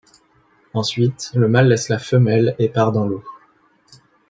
Ensuite, le mâle laisse la femelle et part dans l'eau.